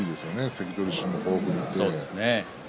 関取衆も豊富にいて。